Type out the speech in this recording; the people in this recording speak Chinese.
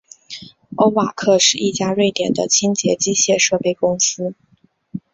欧瓦克是一家瑞典的清洁机械设备公司。